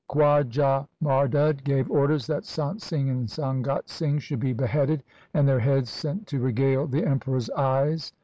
Khwaja Mardud gave orders that Sant Singh and Sangat Singh should be beheaded and their heads sent to regale the Emperor's eyes.